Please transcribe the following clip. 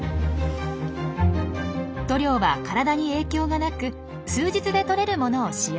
塗料は体に影響がなく数日でとれるものを使用。